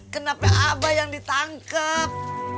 kenapa aba yang ditangkep